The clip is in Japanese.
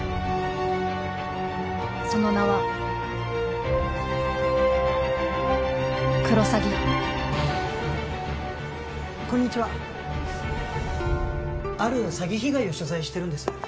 その名はクロサギこんにちはある詐欺被害を取材してるんです